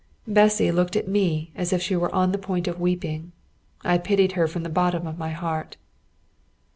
Bessy looked at me as if she were on the point of weeping. I pitied her from the bottom of my heart.